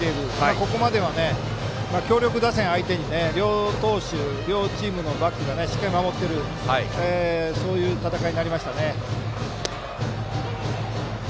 ここまでは強力打線相手に両投手、両チームのバックが非常に守っているというそういう戦いになりました。